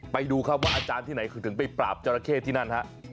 ไปดูครับว่าอาจารย์ที่ไหนถึงไปปราบจราเข้ที่นั่นฮะ